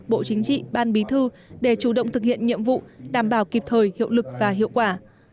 bộ chính trị ban bí thư để chủ động thực hiện nhiệm vụ đảm bảo kịp thời hiệu lực và hiệu quả